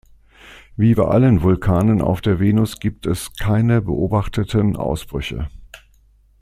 Wie bei allen Vulkanen auf der Venus gibt es keine beobachteten Ausbrüche.